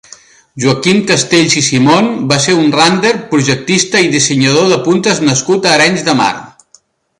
Joaquim Castells i Simón va ser un rander, projectista i dissenyador de puntes nascut a Arenys de Mar.